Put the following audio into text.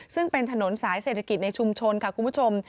ซึ่งเป็นถนนสายเศรษฐกิจในชุมชนค่ะคุณผู้ชม